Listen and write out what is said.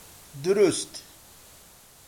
دروست!